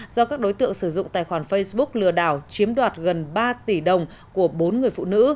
do các đối tượng sử dụng tài khoản facebook lừa đảo chiếm đoạt gần ba tỷ đồng của bốn người phụ nữ